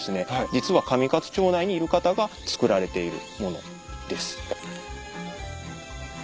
実は上勝町内にいる方が作られている物です。